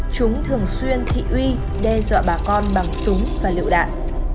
chúng thường xuyên thị uy đe dọa bà con bằng súng và lựu đạn